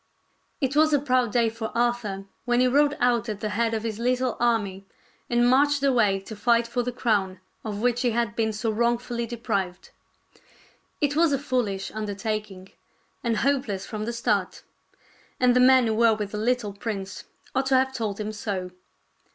II It was a proud day for Arthur when he rode out at the head of his little army and marched away to fight for the crown of which he had been so wrong fully deprived. It was a foolish undertaking, and hopeless from the start; and the men who were with the little prince ought to have told him so.